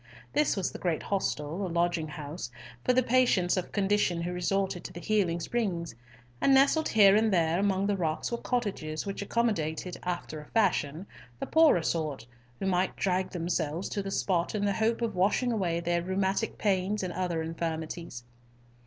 This was the great hostel or lodging house for the patients of condition who resorted to the healing springs, and nestled here and there among the rocks were cottages which accommodated, after a fashion, the poorer sort, who might drag themselves to the spot in the hope of washing away their rheumatic pains and other infirmities.